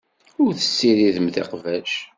Ur tessiridemt iqbac.